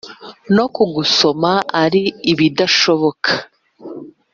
No kugusoma ari ibidashoboka